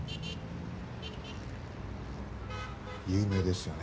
有名ですよね